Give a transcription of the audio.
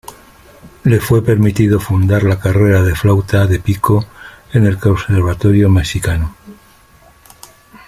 Le fue permitido fundar la carrera de flauta de pico en el conservatorio mexicano.